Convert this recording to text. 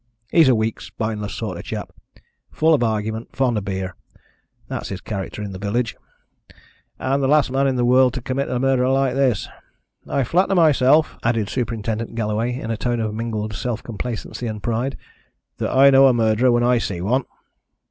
He's a weak, spineless sort of chap, full of argument and fond of beer that's his character in the village and the last man in the world to commit a murder like this. I flatter myself," added Superintendent Galloway in a tone of mingled self complacency and pride, "that I know a murderer when I see one."